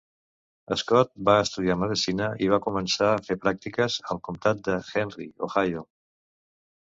Scott va estudiar medicina i va començar a fer pràctiques al comtat de Henry, Ohio.